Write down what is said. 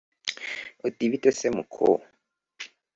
uti "bite se muko"